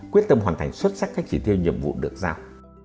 quyết tâm hoàn thành xuất sắc các chỉ tiêu nhiệm vụ được giao